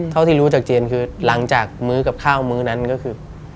เท่าที่รู้จากเจียนคือหลังจากมื้อกับข้าวมื้อนั้นก็คือ